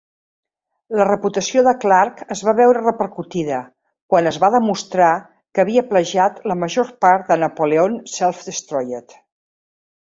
La reputació de Clark es va veure repercutida quan es va demostrar que havia plagiat la major part de "Napoleon Self-Destroyed".